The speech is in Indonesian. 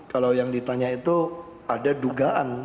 kalau yang ditanya itu ada dugaan